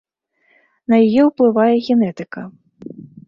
На яе ўплывае генетыка.